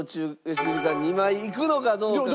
良純さん２枚いくのかどうか。